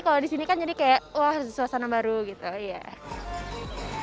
kalau di sini kan jadi kayak wah suasana baru gitu iya